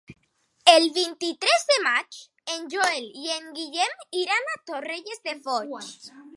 El vint-i-tres de maig en Joel i en Guillem iran a Torrelles de Foix.